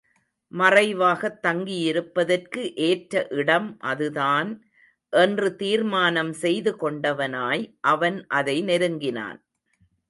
மறைவாகத் தங்கியிருப்பதற்கு ஏற்ற இடம் அதுதான் என்று தீர்மானம் செய்து கொண்டவனாய் அவன் அதை நெருங்கினான்.